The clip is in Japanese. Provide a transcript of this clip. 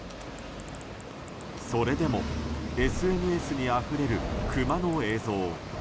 それでもＳＮＳにあふれるクマの映像。